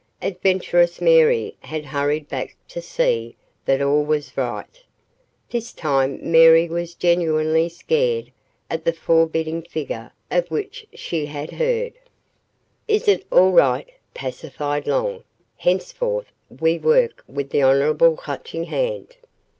Adventuress Mary had hurried back to see that all was right. This time Mary was genuinely scared at the forbidding figure of which she had heard. "It is all right," pacified Long. "Henceforth we work with the honorable Clutching Hand."